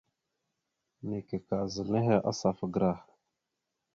Neke ka zal henne asafa gərah.